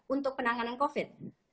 untuk penanganan covid